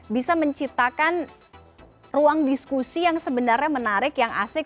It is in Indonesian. bisa menciptakan ruang diskusi yang sebenarnya menarik yang asik